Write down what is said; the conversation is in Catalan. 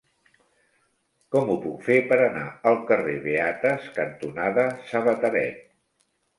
Com ho puc fer per anar al carrer Beates cantonada Sabateret?